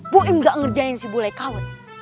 boim gak ngerjain si bule kawat